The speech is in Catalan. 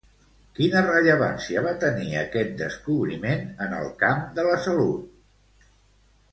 Quina rellevància va tenir aquest descobriment en el camp de la salut?